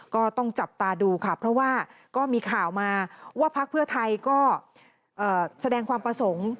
ก็ต้องจับตาดูค่ะเพราะว่าก็มีข่าวมาว่าพักเพื่อไทยก็แสดงความประสงค์